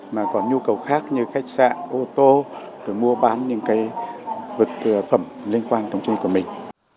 mà còn nhu cầu khác như khách sạn ô tô mua bán những vật phẩm liên quan tổng chí của mình